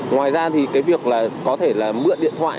ngoài ra thì cái việc là có thể là mượn điện thoại